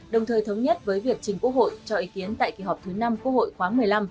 đồng thời thống nhất với việc chính quốc hội cho ý kiến tại kỳ họp thứ năm quốc hội khoáng một mươi năm